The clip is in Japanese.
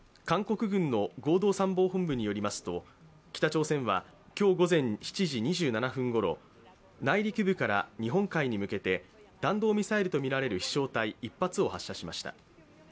韓国軍の合同参謀本部によりますと北朝鮮は今日午前７時２７分ごろ、内陸部から日本海に向けて弾道ミサイルとみられる飛翔体１発を発射しました。